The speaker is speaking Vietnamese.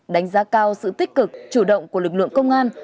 đánh giá cao sự tích cực chủ động của lực lượng công an